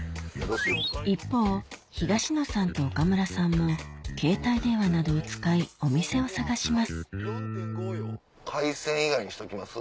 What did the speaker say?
一方東野さんと岡村さんも携帯電話などを使い海鮮以外にしときます？